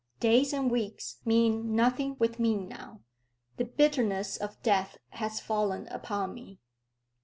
Days and weeks mean nothing with me now. The bitterness of death has fallen upon me."